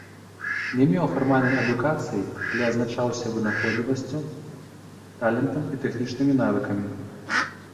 Не меў фармальнай адукацыі, але адзначаўся вынаходлівасцю, талентам і тэхнічнымі навыкамі.